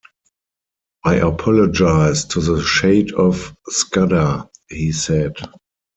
“I apologise to the shade of Scudder,” he said.